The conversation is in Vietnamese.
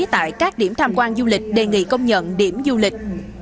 tại các điểm tham quan du lịch đề nghị công nhận điểm du lịch